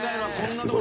すごい！